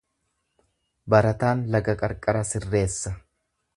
Barataan laga qarqara sirreessa.